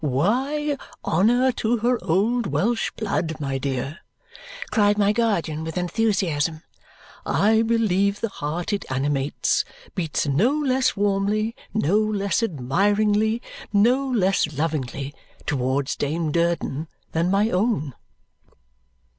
Why, honour to her old Welsh blood, my dear," cried my guardian with enthusiasm, "I believe the heart it animates beats no less warmly, no less admiringly, no less lovingly, towards Dame Durden than my own!"